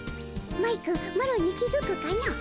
マイクマロに気付くかの？